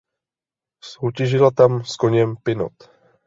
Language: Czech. Soutěžila tam s koněm "Pinot".